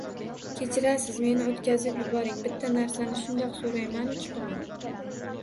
- Kechirasiz meni o'tkazib yuboring, bitta narsani shundoq so'rayman-u chiqaman!